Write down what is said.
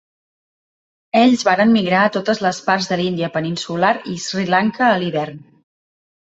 Ells varen migrar a totes les parts de l'Índia peninsular i Sri Lanka a l'hivern.